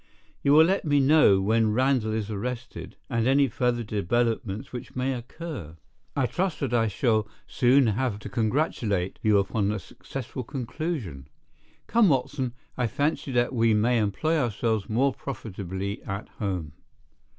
You will let me know when Randall is arrested, and any further developments which may occur. I trust that I shall soon have to congratulate you upon a successful conclusion. Come, Watson, I fancy that we may employ ourselves more profitably at home."